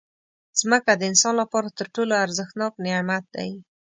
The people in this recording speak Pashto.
مځکه د انسان لپاره تر ټولو ارزښتناک نعمت دی.